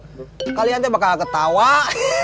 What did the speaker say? kalau kalian lihat wajahnya kang aceng kang dadang kang akum